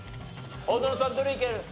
大園さんどれいける？